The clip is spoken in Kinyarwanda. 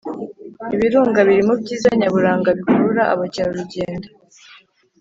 Ibirunga biri mubyiza nyaburanga bikurura abakerarugendo